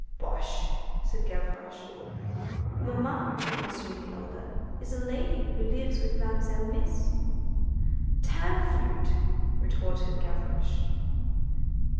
"Bosh," said Gavroche. "Mamma," resumed the elder, "is a lady who lives with Mamselle Miss." "Tanflûte!" retorted Gavroche.